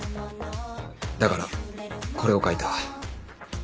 だからこれを書いた。